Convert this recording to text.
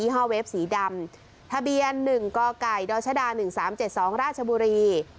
อีห้อเวฟสีดำทะเบียน๑กกด๑๓๗๒ราชบุรี